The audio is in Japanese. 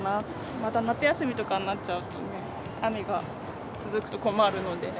また夏休みとかになっちゃうとね、雨が続くと困るので。